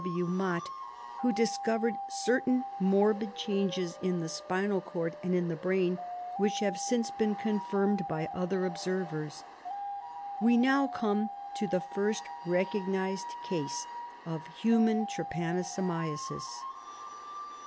W. Mott, who discovered certain morbid changes in the spinal cord and in the brain, which have since been confirmed by other observers. We now come to the first recognised case of human trypanosomiasis.